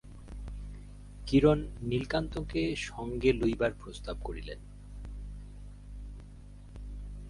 কিরণ নীলকান্তকে সঙ্গে লইবার প্রস্তাব করিলেন।